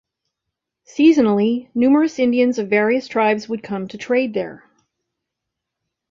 Seasonally numerous Indians of various tribes would come to trade there.